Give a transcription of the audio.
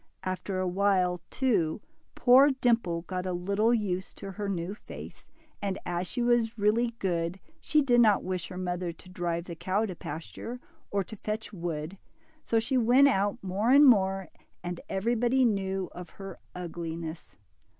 After a while, too, poor Dimple got a little used to her new face, and as she was really good, she did not wish her mother to drive the cow to pasture, or to fetch wood, so she went out more and more, and everybody knew of her ugliness.